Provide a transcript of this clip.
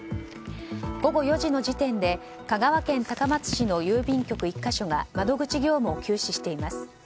午後４時の時点で香川県高松市の郵便局１か所が窓口業務を休止しています。